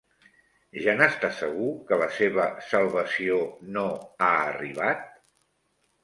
Ja n'està segur que la seva salvació no ha arribat?